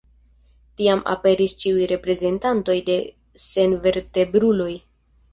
Tiam aperis ĉiuj reprezentantoj de senvertebruloj.